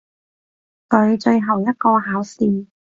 佢最後一個考試！